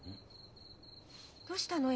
どうしたの？